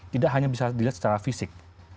tidak hanya bisa dilihat secara fisik